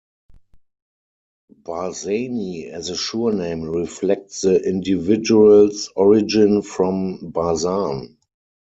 Barzani as a surname reflects the individual's origin from Barzan.